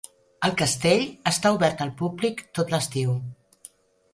El castell està obert al públic tot l'estiu.